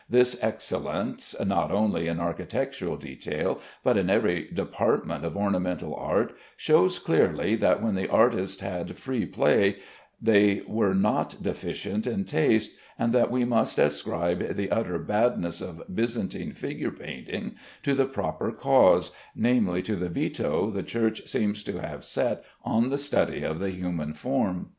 This excellence (not only in architectural detail but in every department of ornamental art) shows clearly that when the artists had free play they where not deficient in taste, and that we must ascribe the utter badness of Byzantine figure painting to the proper cause; namely, to the veto the Church seems to have set on the study of the human form.